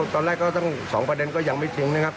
ตอนแรกก็ตั้ง๒ประเด็นก็ยังไม่ทิ้งนะครับ